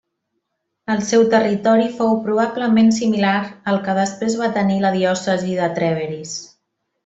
El seu territori fou probablement similar al que després va tenir la diòcesi de Trèveris.